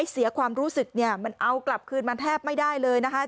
เสียความรู้สึกเนี่ยมันเอากลับคืนมาแทบไม่ได้เลยนะคะ